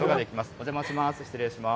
お邪魔します。